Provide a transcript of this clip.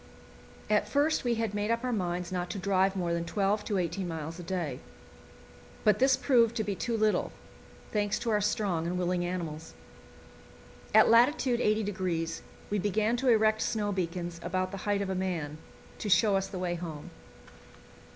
At first we had made up our minds not to drive more than twelve to eighteen miles a day; but this proved to be too little, thanks to our strong and willing animals. At lat. 80° we began to erect snow beacons, about the height of a man, to show us the way home.